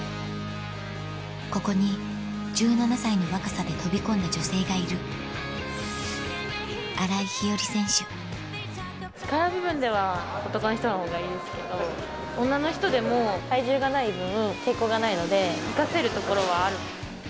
ここに１７歳の若さで飛び込んだ女性がいる力の部分では男の人の方がいいですけど女の人でも体重がない分抵抗がないので生かせるところはある。